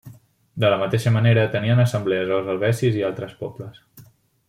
De la mateixa manera, tenien assemblees els helvecis i altres pobles.